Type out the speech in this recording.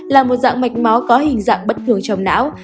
là một dạng mạch máu có hình dạng bất thường trong não